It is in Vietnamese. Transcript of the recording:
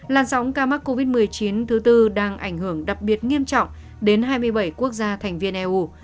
làn sóng ca mắc covid một mươi chín thứ tư đang ảnh hưởng đặc biệt nghiêm trọng đến hai mươi bảy quốc gia thành viên eu